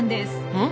うん？